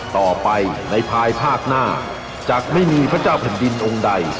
ต่อไปในภายภาคหน้าจะไม่มีพระเจ้าแผ่นดินองค์ใด